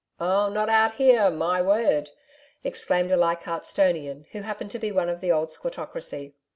'Oh, not out here, my word!' exclaimed a Leichardt'stonian who happened to be one of the old squattocracy.